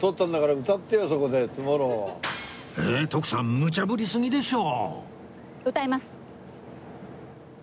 徳さんむちゃぶりすぎでしょ！